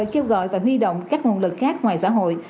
kêu gọi và huy động các nguồn lực khác ngoài xã hội